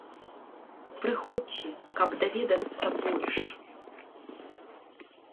Прыходзьце, каб даведацца больш!